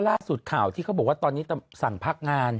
ล่าสุดข่าวที่เขาบอกว่าตอนนี้สั่งพักงาน